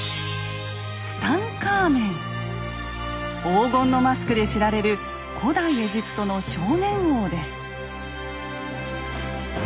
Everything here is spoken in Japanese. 黄金のマスクで知られる古代エジプトの少年王です。